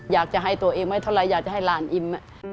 อยากจะให้ตัวเองไว้เท่าไรอยากจะให้หลานอิ่ม